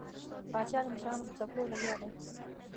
پاچا د مشرانو په ځپلو لګیا دی.